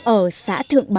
ở xã thượng bình